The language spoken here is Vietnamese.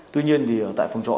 tuy nhiên thì tại phòng trọ